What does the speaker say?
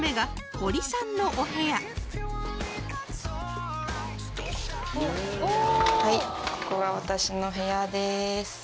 ここが私の部屋です。